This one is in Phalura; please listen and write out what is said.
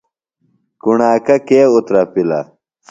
کُݨاکہ کے اُترپِلہ ؟